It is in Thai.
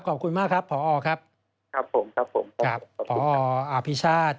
ขอบคุณมากครับพอครับครับผมครับผมครับพออภิชาติ